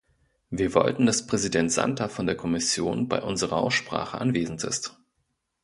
Wir wollten, dass Präsident Santer von der Kommission bei unserer Aussprache anwesend ist.